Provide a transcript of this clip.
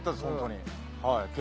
本当にはい。